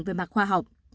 về mặt khoa học